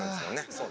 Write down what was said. そう